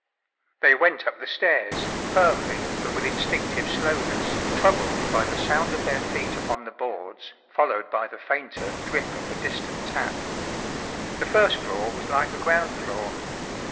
” T HEY went up the stairs, firmly, but with instinctive slowness, troubled by the sound of their feet upon the boards, fol¬ lowed by the fainter drip of the distant tap. The first floor was like the ground floor.